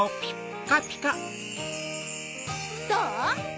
どう？